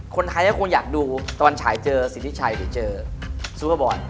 คนไทยก็คงอยากดูตะวันฉายเจอสิทธิชัยหรือเจอซูเปอร์บอล